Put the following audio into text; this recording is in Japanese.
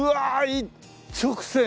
一直線！